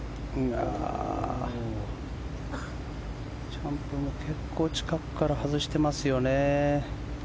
チャンプも結構近くから外してますよね。